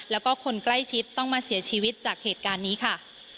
แล้วก็คนใกล้ชิดต้องมาเสียชีวิตจากเหตุการณ์นี้ค่ะ